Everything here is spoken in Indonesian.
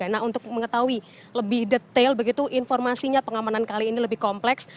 nah untuk mengetahui lebih detail begitu informasinya pengamanan kali ini lebih kompleks